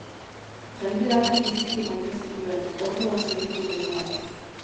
Jendeak biziki maite zituen, orduan segitu genuen.